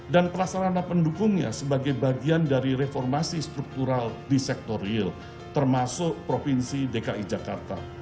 dan pelaksanaan pendukungnya sebagai bagian dari reformasi struktural di sektor real termasuk provinsi dki jakarta